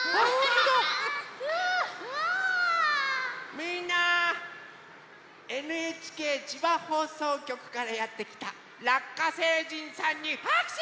みんなＮＨＫ千葉放送局からやってきたラッカ星人さんにはくしゅ！